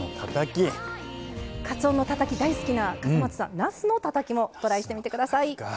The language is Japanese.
かつおのたたき大好きな笠松さんなすのたたきもトライしてみてください。